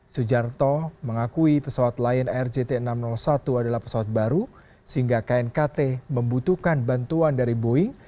sujarto mengakui pesawat lion air jt enam ratus satu adalah pesawat baru sehingga knkt membutuhkan bantuan dari boeing